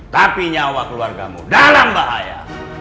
tapi nyawa keluargamu dalam bahaya